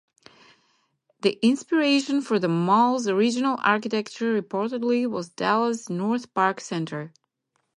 The inspiration for the mall's original architecture reportedly was Dallas' NorthPark Center.